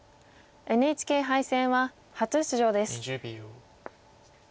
ＮＨＫ杯戦は初出場です。